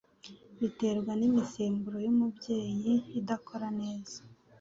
biterwa n'imisemburo y'umubyeyi idakora neza